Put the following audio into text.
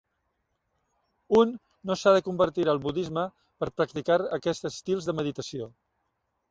Un no s'ha de convertir al budisme per practicar aquests estils de meditació.